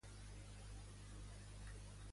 El municipi de Sariegos es troba a Lleó.